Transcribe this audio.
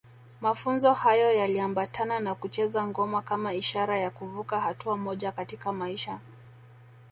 Mafunzo hayo yaliambatana na kucheza ngoma kama ishara ya kuvuka hatua moja katika maisha